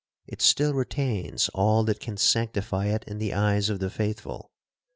It still retains all that can sanctify it in the eyes of the faithful.